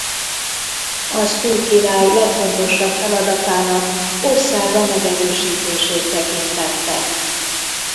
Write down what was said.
Az új király legfontosabb feladatának országa megerősítését tekintette.